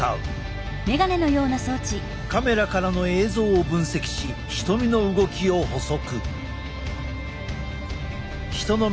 カメラからの映像を分析し瞳の動きを捕捉。